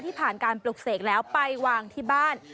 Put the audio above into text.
ผ่านการปลูกเสกแล้วไปวางที่บ้าน